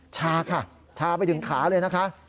ชาค่ะชาไปถึงขาเลยนะคะ